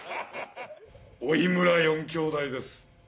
老村４兄弟です。